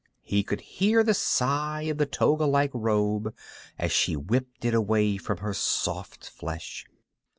He could hear the sigh of the toga like robe as she whipped it away from her soft flesh.